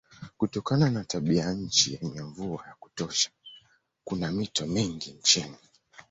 Kutokana na tabianchi yenye mvua ya kutosha kuna mito mingi nchini.